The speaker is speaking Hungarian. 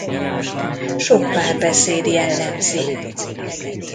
Sok párbeszéd jellemzi.